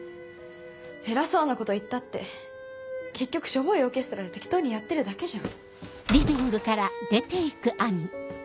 偉そうなこと言ったって結局しょぼいオーケストラで適当にやってるだけじゃん。